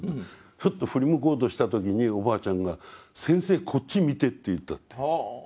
ふっと振り向こうとした時におばあちゃんが「先生こっち見て」って言ったって。